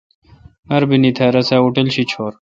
مربینی تھیا رس ا ہوٹل شی چھور۔